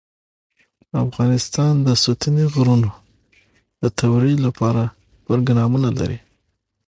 افغانستان د ستوني غرونه د ترویج لپاره پروګرامونه لري.